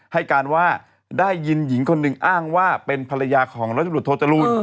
ให้การว่าได้ยินหญิงคนหนึ่งอ้างว่าเป็นภรรยาของร้อยตำรวจโทจรูล